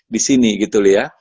disini gitu ya